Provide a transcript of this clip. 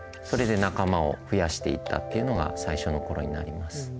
それで仲間を増やしていったっていうのが最初のころになります。